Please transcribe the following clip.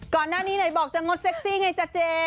ก่อนหน้านี้ไหนบอกจะงดเซ็กซี่ไงจ๊ะเจ๊